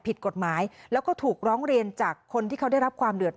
ผิดกฎหมายแล้วก็ถูกร้องเรียนจากคนที่เขาได้รับความเดือด